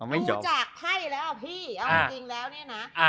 รู้จักไพ่แล้วอ่ะพี่เอาจริงแล้วเนี่ยนะ